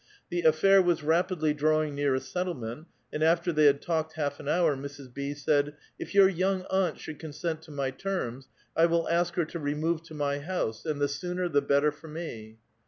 The affair was rapidly drawing near a settlement, and after they had talked half an hour, Mrs. B. said, '* If your young aunt should consent to my terms, I will ask her to remove to my house, and the sooner, the better for me."